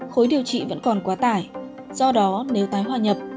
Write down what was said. khối điều trị vẫn còn quá tải do đó nếu tái hòa nhập